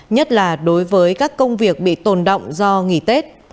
nhất là đối với các công việc bị tồn động do nghỉ tết